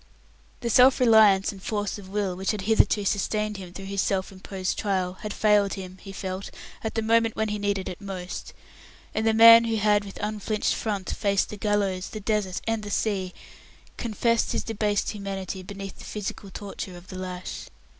The self reliance and force of will which had hitherto sustained him through his self imposed trial had failed him he felt at the moment when he needed it most; and the man who had with unflinched front faced the gallows, the desert, and the sea, confessed his debased humanity beneath the physical torture of the lash.